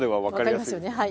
分かりますよね。